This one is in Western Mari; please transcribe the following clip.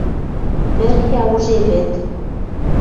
Пӹрхӓ уже вӹд.